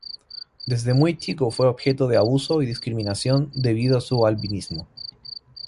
Desde muy chico fue objeto de abuso y discriminación debido a su albinismo.